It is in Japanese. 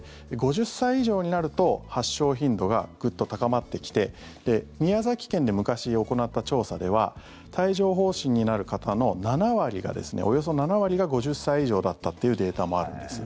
５０歳以上になると発症頻度がグッと高まってきて宮崎県で昔行った調査では帯状疱疹になる方のおよそ７割が５０歳以上だったというデータもあるんです。